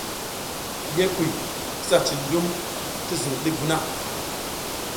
Ye kuy, kisa cin dum ti zung ɗik vuna.